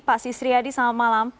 pak sisriyadi selamat malam